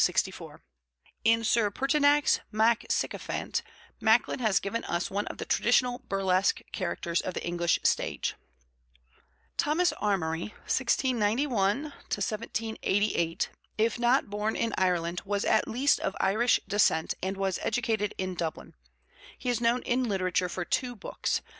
In Sir Pertinax MacSycophant, Macklin has given us one of the traditional burlesque characters of the English stage. Thomas Amory (1691? 1788), if not born in Ireland, was at least of Irish descent and was educated in Dublin. He is known in literature for two books.